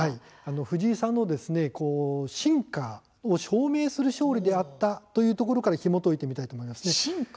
藤井さんの進化を証明する勝利であったというところからひもといてみたいと思います。